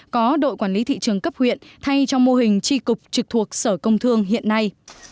có đội quản lý thị trường cấp huyện thay cho mô hình tri cục trực thuộc sở công thương hiện nay